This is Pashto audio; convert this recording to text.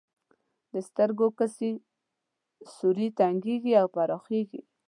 د سترګو کسي سوری تنګیږي او پراخیږي.